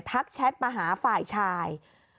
แชทมาหาฝ่ายชาย